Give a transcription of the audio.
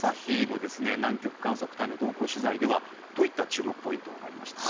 南極観測隊の同行取材ではどういった注目ポイントがありましたか？